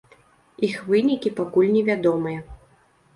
Іх вынікі пакуль невядомыя.